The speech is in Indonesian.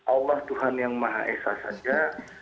allah tuhan yang maha esa saja